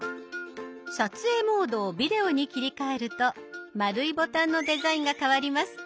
撮影モードを「ビデオ」に切り替えると丸いボタンのデザインが変わります。